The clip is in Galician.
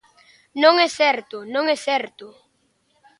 Non é certo, non é certo.